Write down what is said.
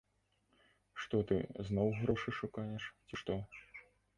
Што ты, зноў грошы шукаеш, ці што?